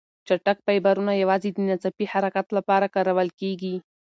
چټک فایبرونه یوازې د ناڅاپي حرکت لپاره کارول کېږي.